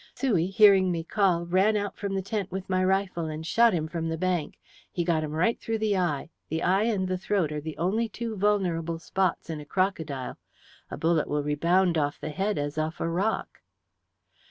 Suey, hearing me call, ran out from the tent with my rifle, and shot him from the bank. He got him through the eye the eye and the throat are the only two vulnerable spots in a crocodile. A bullet will rebound off the head as off a rock."